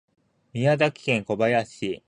宮崎県小林市